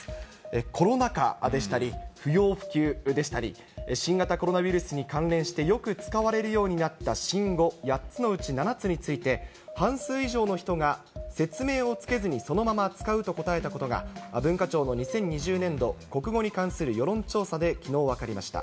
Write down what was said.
コロナ禍でしたり、不要不急でしたり、新型コロナウイルスに関連して、よく使われるようになった新語８つのうち７つについて、半数以上の人が説明をつけずにそのまま使うと答えたことが、文化庁の２０２０年度国語に関する世論調査できのう分かりました。